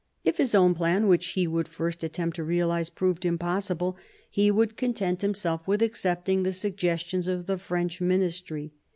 If his own plan, which he would first attempt to realise, proved impossible, he would content himself with accept ing the suggestions of the French ministry.